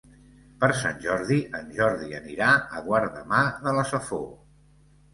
Per Sant Jordi en Jordi anirà a Guardamar de la Safor.